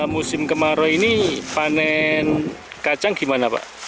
musim kemarau ini panen kacang gimana pak